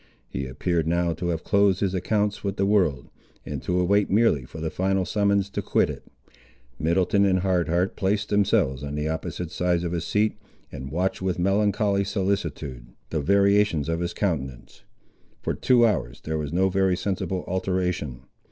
He appeared now to have closed his accounts with the world, and to await merely for the final summons to quit it. Middleton and Hard Heart placed themselves on the opposite sides of his seat, and watched with melancholy solicitude, the variations of his countenance. For two hours there was no very sensible alteration.